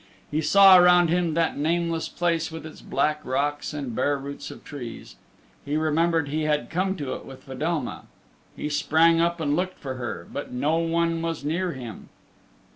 He saw around him that nameless place with its black rocks and bare roots of trees. He remembered he had come to it with Fedelma. He sprang up and looked for her, but no one was near him.